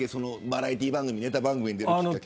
バラエティー番組ネタ番組に出た。